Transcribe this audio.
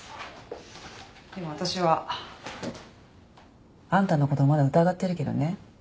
でも私はあんたの事まだ疑ってるけどね。